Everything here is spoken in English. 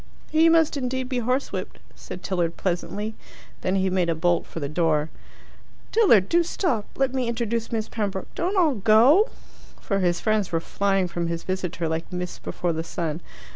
"He must indeed be horsewhipped," said Tilliard pleasantly. Then he made a bolt for the door. "Tilliard do stop let me introduce Miss Pembroke don't all go!" For his friends were flying from his visitor like mists before the sun.